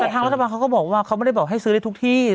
แต่ทางรัฐบาลเขาก็บอกว่าเขาไม่ได้บอกให้ซื้อได้ทุกที่